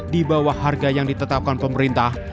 di bawah harga yang ditetapkan pemerintah